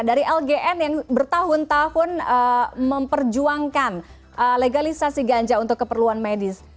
dari lgn yang bertahun tahun memperjuangkan legalisasi ganja untuk keperluan medis